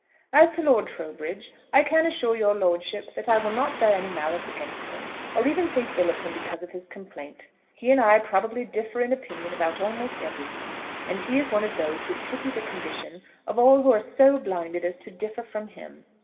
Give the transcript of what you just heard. As to Lord Trowbridge, I can assure your lordship that I will not bear any malice against him, or even think ill of him because of his complaint. He and I probably differ in opinion about almost everything, and he is one of those who pity the condition of all who are so blinded as to differ from him.